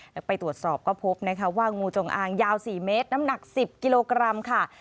แล้วไปตรวจสอบก็พบนะคะว่างูจงอางยาว๔เมตรน้ำหนัก๑๐กิโลกรัมค่ะ